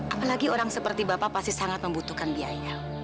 apalagi orang seperti bapak pasti sangat membutuhkan biaya